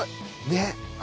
ねっ。